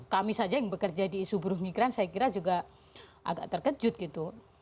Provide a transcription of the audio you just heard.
kami saja yang bekerja di isu buruh migran saya kira juga agak terkejut gitu